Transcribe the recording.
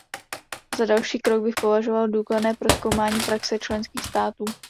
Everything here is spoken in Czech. Za další krok bych považoval důkladné prozkoumání praxe členských států.